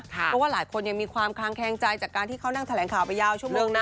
เพราะว่าหลายคนยังมีความคางแคงใจจากการที่เขานั่งแถลงข่าวไปยาวชั่วโมงนะ